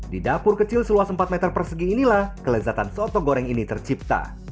di dapur kecil seluas empat meter persegi inilah kelezatan soto goreng ini tercipta